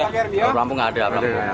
ada pelampung nggak ada